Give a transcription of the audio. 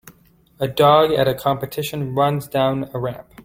A dog at a competition runs down a ramp.